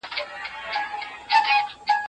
هغه خلک چې په ښار کې اوسیږي ډېر مسموم کیږي.